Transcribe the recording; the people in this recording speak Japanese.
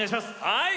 はい！